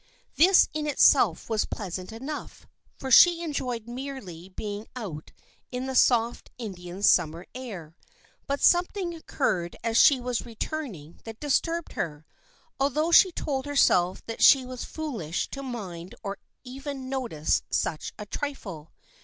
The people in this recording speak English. This in itself was pleasant enough, for she enjoyed merely being out in the soft Indian summer air, but something oc curred as she was returning that disturbed her, although she told herself that she was foolish to mind or even to notice such a trifle.